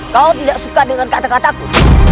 kau tidak suka dengan kata kataku